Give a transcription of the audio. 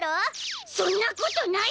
そんなことない！